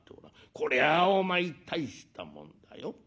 こりゃお前大したもんだよ。